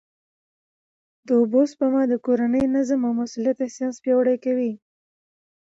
د اوبو سپما د کورني نظم او مسؤلیت احساس پیاوړی کوي.